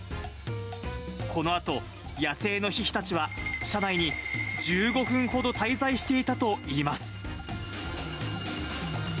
このあと野生のヒヒたちは、車内に１５分ほど滞在していたといいます。